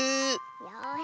よし。